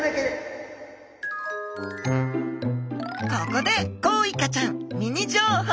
ここでコウイカちゃんミニ情報。